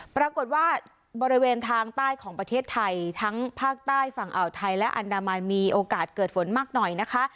ปรากฏว่าบริเวณทางใต้ของประเทศไทยทั้งภาคใต้ฝั่งอ่าวไทยและอันดามันมีโอกาสเกิดฝนมากหน่อยนะคะ